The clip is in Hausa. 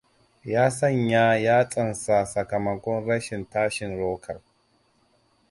Ya sanya yatsansa sakamakon rashin tashin rokar.